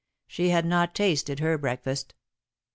She had not tasted her breakfast.